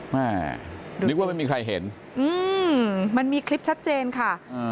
แม่นึกว่าไม่มีใครเห็นอืมมันมีคลิปชัดเจนค่ะ